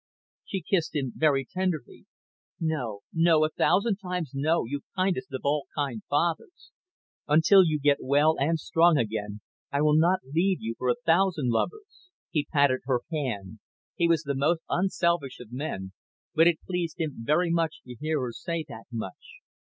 She kissed him very tenderly. "No, no, a thousand times no, you kindest of all kind fathers. Until you get well and strong again, I would not leave you for a thousand lovers." He patted her hand. He was the most unselfish of men, but it pleased him very much to hear her say that much.